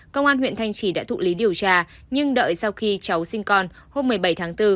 công an huyện thanh trì đã thụ lý điều tra nhưng đợi sau khi cháu sinh con hôm một mươi bảy tháng bốn